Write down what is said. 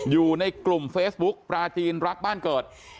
อยู่ในกลุ่มเฟซบุ๊กปลาจีนรักบ้านเกิด